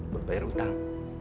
buat bayar utang